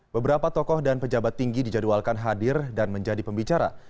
beberapa tokoh dan pejabat tinggi dijadwalkan hadir dan menjadi pembicara